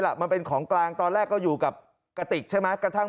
มันเป็นของกลางตอนแรกก็อยู่กับกระติกใช่ไหมกระทั่ง